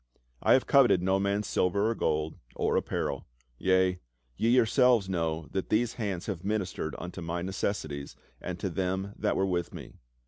I have coveted no man's silver or gold, or apparel. Yea, yc yourselves know that these hands have ministered unto my necessities and to them that were with me.